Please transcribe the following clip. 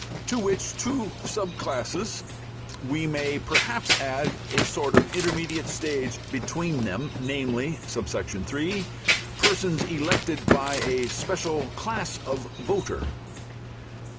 To which two sub classes we may perhaps add a sort of intermediate stage between them, namely: (3) persons elected by a special class of voter.